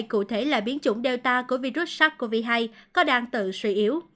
những thông tin về biến chủng delta của virus sars cov hai có đang tự suy yếu